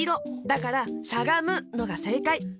だからしゃがむのがせいかい！